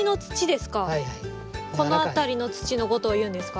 この辺りの土の事をいうんですか？